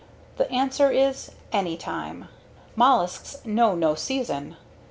The answer is ANYTIME. Mollusks know no season.